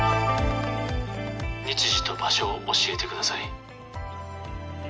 「日時と場所を教えてください」